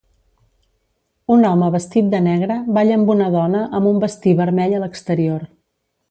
Un home vestit de negre balla amb una dona amb un vestir vermell a l'exterior.